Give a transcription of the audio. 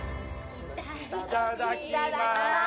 いただきまーす